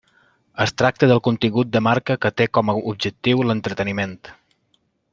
Es tracta del contingut de marca que té com a objectiu l'entreteniment.